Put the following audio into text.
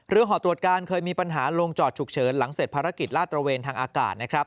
ห่อตรวจการเคยมีปัญหาลงจอดฉุกเฉินหลังเสร็จภารกิจลาดตระเวนทางอากาศนะครับ